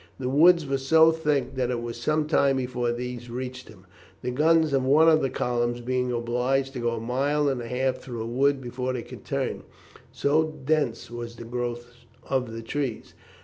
The woods were so thick that it was some time before these reached him, the guns of one of the columns being obliged to go a mile and a half through a wood before they could turn, so dense was the growth of the trees.